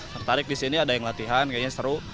tertarik disini ada yang latihan kayaknya seru